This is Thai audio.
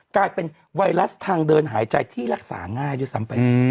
กลายเป็นไวรัสทางเดินหายใจที่รักษาง่ายด้วยซ้ำไป